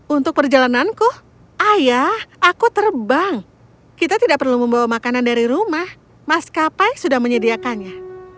untuk perjalananku ayah aku terbang kita tidak perlu membawa makanan dari rumah maskapai sudah menyediakannya